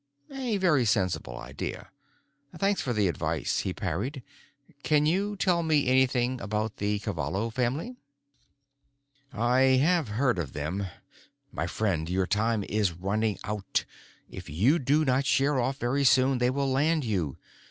A very sensible idea. "Thanks for the advice," he parried. "Can you tell me anything about the Cavallo family?" "I have heard of them. My friend, your time is running out. If you do not sheer off very soon they will land you.